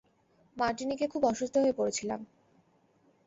মার্টিনিকে খুব অসুস্থ হয়ে পড়েছিলাম।